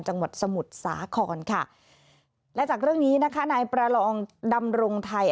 จังหวัดสมุทรสาครค่ะและจากเรื่องนี้นะคะนายประลองดำรงไทย